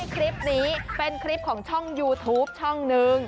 คลิปนี้เป็นช่องยูทูปช่องนึง